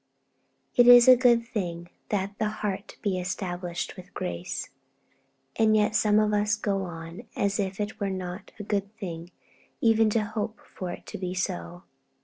'_ 'It is a good thing that the heart be established with grace,' and yet some of us go on as if it were not a good thing even to hope for it to be so.